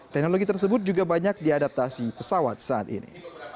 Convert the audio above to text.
teknologi tersebut juga banyak diadaptasi pesawat saat ini